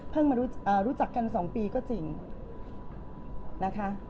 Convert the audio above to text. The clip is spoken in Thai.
มารู้จักกัน๒ปีก็จริงนะคะ